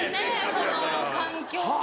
その環境が。